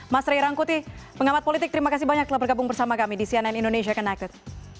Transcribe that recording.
mas rey rangkuti pengamat politik terima kasih banyak telah bergabung bersama kami di cnn indonesia connected